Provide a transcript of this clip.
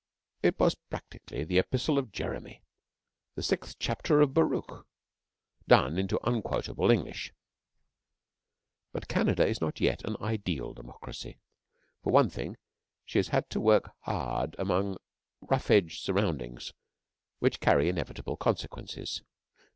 It was practically the Epistle of Jeremy the sixth chapter of Baruch done into unquotable English. But Canada is not yet an ideal Democracy. For one thing she has had to work hard among rough edged surroundings which carry inevitable consequences.